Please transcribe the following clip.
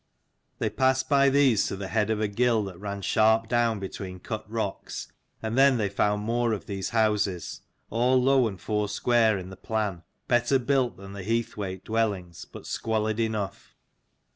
They passed by these to the head of a gill that ran sharp down between cut rocks, and then they found more of these houses, all low and foursquare in the plan, better built than the Heathwaite dwellings, but squalid enough.